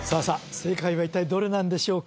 正解は一体どれなんでしょうか？